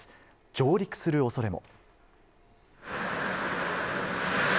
上陸するおそれも。